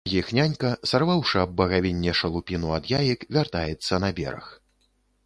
Іх нянька, сарваўшы аб багавінне шалупіну ад яек, вяртаецца на бераг.